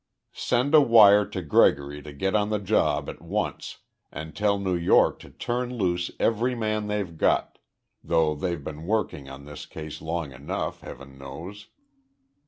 "Send a wire to Gregory to get on the job at once and tell New York to turn loose every man they've got though they've been working on the case long enough, Heaven knows!"